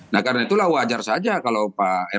nah karena itulah wajar saja kalau pak rw